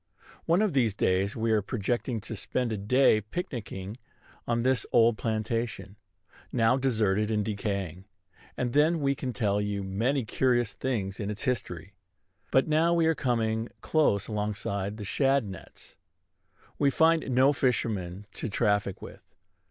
One of these days we are projecting to spend a day picnicking on this old plantation, now deserted and decaying; and then we can tell you many curious things in its history. But now we are coming close alongside the shad nets. We find no fishermen to traffic with.